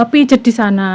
pijat di sana